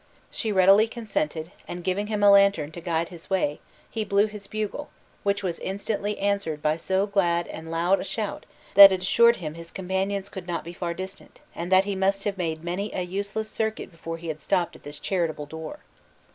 She readily consented; and giving him a lantern to guide his way, he blew his bugle, which was instantly answered by so glad and loud a shout that it assured him his companions could not be far distant, and that he must have made many a useless circuit before he had stopped at this charitable door.